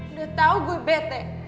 udah tau gue bete